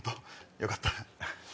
よかった。